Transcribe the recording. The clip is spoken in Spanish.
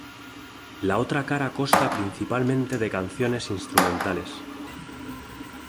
La otra cara costa principalmente de canciones instrumentales.